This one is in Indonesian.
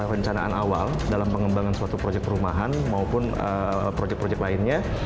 epic project ini membantu dari perencanaan awal dalam pengembangan suatu project perumahan maupun struktur project lainnya